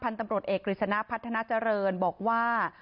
พันธ์ตำรวจเอกริษณาพัฒนาเจริญบอกว่า